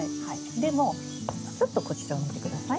でもちょっとこちらを見て下さい。